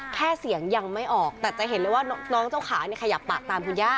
แค่เสียงยังไม่ออกแต่จะเห็นเลยว่าน้องเจ้าขาเนี่ยขยับปากตามคุณย่า